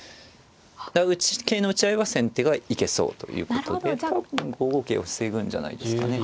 桂の打ち合いは先手が行けそうということで多分５五桂を防ぐんじゃないですかね。